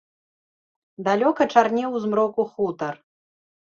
Далёка чарнеў у змроку хутар.